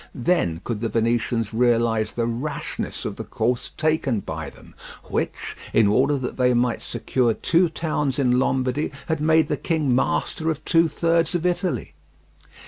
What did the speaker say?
Then could the Venetians realize the rashness of the course taken by them, which, in order that they might secure two towns in Lombardy, had made the king master of two thirds of Italy.